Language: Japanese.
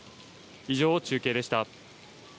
以上、中継でした。